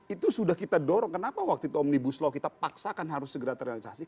itu sudah kita dorong kenapa waktu itu omnibus law kita paksakan harus segera terrealisasi